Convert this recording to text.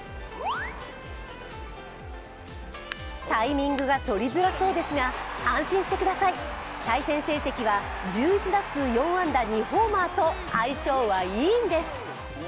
タイミングが取りづらそうですが、安心してください、対戦成績は１１打数４安打２ホーマーと相性はいいんです。